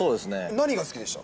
何が好きでした？